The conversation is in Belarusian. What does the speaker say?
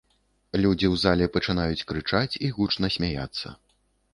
Людзі ў зале пачынаюць крычаць і гучна смяяцца.